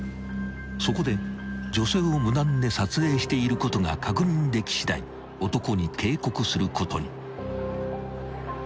［そこで女性を無断で撮影していることが確認できしだい男に警告することに］